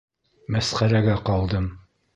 Мәсхәрәгә ҡалдым.